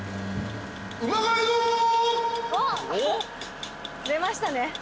おっ出ましたね。